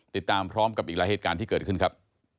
ติดตามพร้อมกับอีกหลายเหตุการณ์ที่เกิดขึ้นครับ